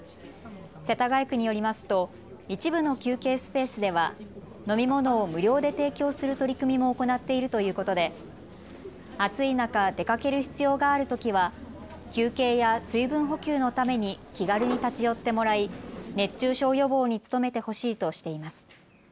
世田谷区によりますと一部の休憩スペースでは飲み物を無料で提供する取り組みも行っているということで暑い中、出かける必要があるときは休憩や水分補給のために気軽に立ち寄ってもらい、熱中症予防に努めてほしいとしています。